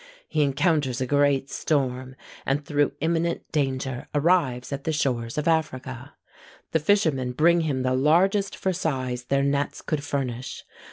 He encounters a great storm, and through imminent danger arrives at the shores of Africa. The fishermen bring him the largest for size their nets could furnish.